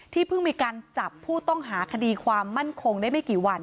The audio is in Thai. เพิ่งมีการจับผู้ต้องหาคดีความมั่นคงได้ไม่กี่วัน